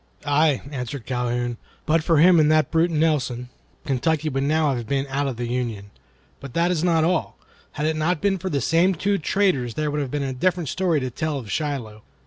"Aye!" answered Calhoun, "but for him and that brute Nelson, Kentucky would now have been out of the Union. But that is not all. Had it not been for the same two traitors there would have been a different story to tell of Shiloh.